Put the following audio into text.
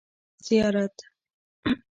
ـ زیارت.